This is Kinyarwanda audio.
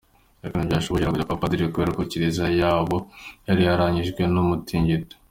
Ariko ntibyashobokera kujya kwa padiri kubera ko kiliziya yabo yari yarangijwe n'umutingito.